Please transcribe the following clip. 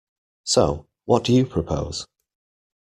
So, what do you propose?